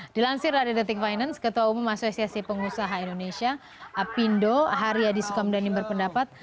dilansir dari the tech finance ketua umum asosiasi pengusaha indonesia pindo haria disukam dan imber pendapat